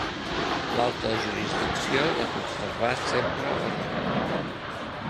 L'alta jurisdicció la conservà sempre el rei.